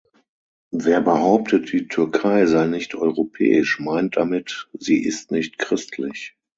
Wer behauptet, die Türkei sei nicht europäisch, meint damit, sie ist nicht christlich.